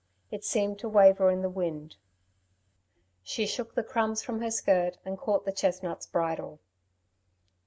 It seemed to waver in the wind. She shook the crumbs from her skirt, and caught the chestnut's bridle.